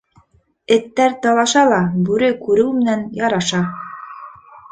Эттәр талаша ла, бүре күреү менән яраша.